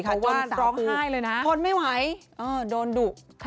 เพราะว่าร้องไห้เลยนะทนไม่ไหวโดนดุ